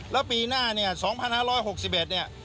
แล้วปีหน้าเนี่ย๒๕๖๑เนี่ย